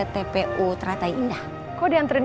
tpu teratai indah kok diantarin